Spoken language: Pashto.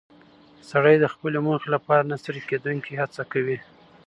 سړی د خپلې موخې لپاره نه ستړې کېدونکې هڅه کوي